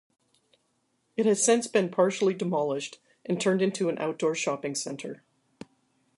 It has since been partially demolished and turned into an outdoor shopping center.